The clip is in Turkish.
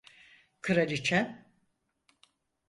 Kraliçem…